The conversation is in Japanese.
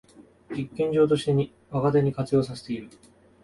実験場として若手に活用させている